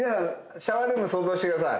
シャワールーム想像してください。